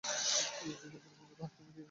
যিনি আমার বন্ধু তাঁহাকে আমি জানিয়াছি।